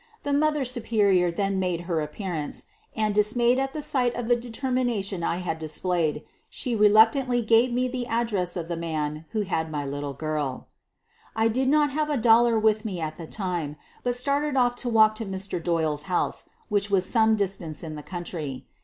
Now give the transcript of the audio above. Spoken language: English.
The mother superior then made her appearance and, dismayed at the sight of the determination I had displayed, she reluctantly gave me the address of the man who had my little girl I did not have a dollar with me at the time, but started off to walk to Mr. Doyle 's house, which was some distance in the country.